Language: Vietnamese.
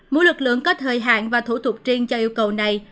mỗi lực lượng có thời hạn và thủ tục riêng cho yêu cầu này